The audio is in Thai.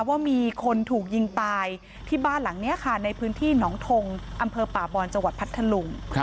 ว่ามีคนถูกยิงตายที่บ้านหลังนี้ค่ะในพื้นที่หนองทงอำเภอป่าบอนจังหวัดพัทธลุง